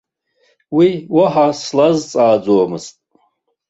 Уи уаҳа слазҵааӡомызт.